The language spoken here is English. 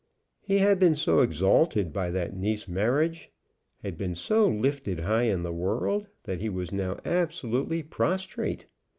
He had been so exalted by that Nice marriage, had been so lifted high in the world, that he was now absolutely prostrate.